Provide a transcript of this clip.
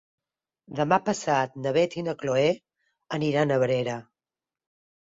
Demà passat na Beth i na Chloé aniran a Abrera.